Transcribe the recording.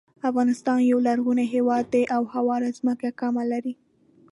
افغانستان یو غرنی هیواد دی او هواره ځمکه کمه لري.